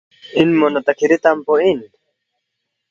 ”اِنمو نہ تا کِھری تم پو اِن